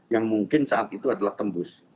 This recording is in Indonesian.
yang mungkin saat itu adalah tembus